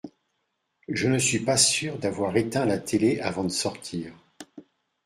Je ne suis pas sûr d’avoir éteint la télé avant de sortir.